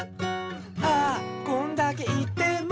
「ああこんだけ言っても」